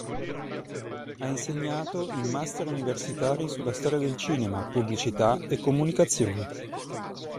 Ha insegnato in master universitari sulla storia del cinema, pubblicità e comunicazione.